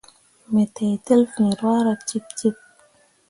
Me teitel fiŋ ruahra cikcik.